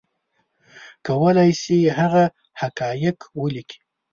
کولی شي هغه حقایق ولیکي